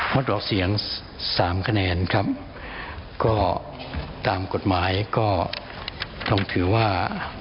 ดออกเสียงสามคะแนนครับก็ตามกฎหมายก็ต้องถือว่า